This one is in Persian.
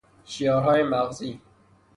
شیارهای مغزی